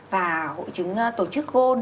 và hội chứng tổ chức gon